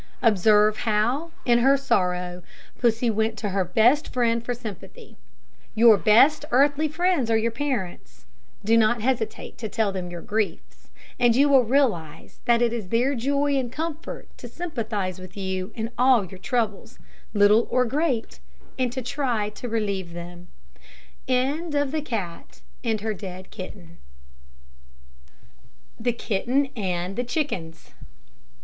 Observe how, in her sorrow, Pussy went to her best friend for sympathy. Your best earthly friends are your parents. Do not hesitate to tell them your griefs; and you will realise that it is their joy and comfort to sympathise with you in all your troubles, little or great, and to try to relieve them. THE KITTEN AND THE CHICKENS.